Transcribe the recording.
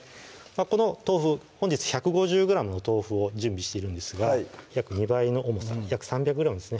この豆腐本日１５０ｇの豆腐を準備しているんですが約２倍の重さ約３００ｇですね